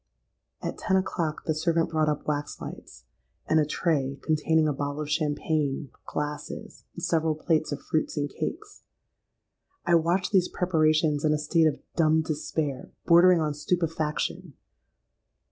"At ten o'clock the servant brought up waxlights, and a tray containing a bottle of champagne, glasses, and several plates of fruits and cakes. I watched these preparations in a state of dumb despair, bordering on stupefaction.